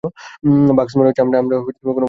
বাগস, মনে হচ্ছে আমরা কোনো ফাঁদে আটকা পড়েছি!